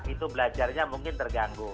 itu belajarnya mungkin terganggu